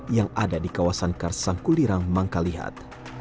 yang ada di kawasan karsangkulirang mangkalihat